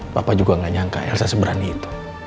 papa juga nggak nyangka elsa seberani itu